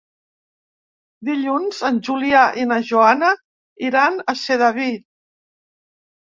Dilluns en Julià i na Joana iran a Sedaví.